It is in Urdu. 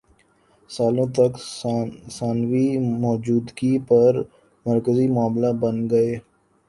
سالوں تک ثانوی موجودگی پر مرکزی معاملہ بن گئے